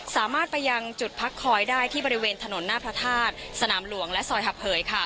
สามารถไปยังจุดพักคอยได้ที่บริเวณถนนหน้าพระธาตุสนามหลวงและซอยหับเหย